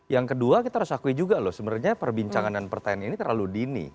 yang kedua kita harus akui juga loh sebenarnya perbincangan dan pertanyaan ini terlalu dini